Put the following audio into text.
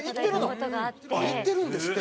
行ってるんですって。